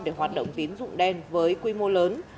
để hoạt động tín dụng đen với quy mô lớn